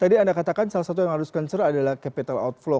tadi anda katakan salah satu yang harus concern adalah capital outflow